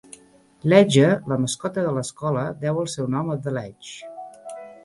Ledger, la mascota de l'escola, deu el seu nom a The Ledge.